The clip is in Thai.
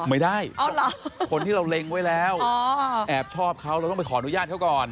ไม่ได้คนที่เราเล็งไว้แล้วแอบชอบเขาเราต้องไปขออนุญาตเขาก่อน